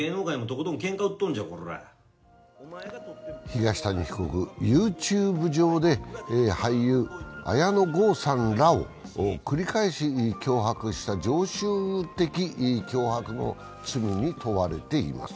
東谷被告、ＹｏｕＴｕｂｅ上で俳優・綾野剛さんらを繰り返し脅迫した常習的脅迫の罪に問われています。